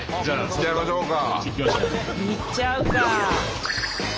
いっちゃうか。